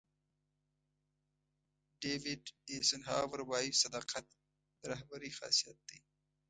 ډیوېټ ایسنهاور وایي صداقت د رهبرۍ خاصیت دی.